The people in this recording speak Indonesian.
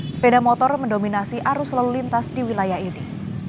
sepeda motor mendominasi arus lalu lintas di wilayah ini